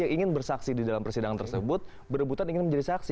yang ingin bersaksi di dalam persidangan tersebut berebutan ingin menjadi saksi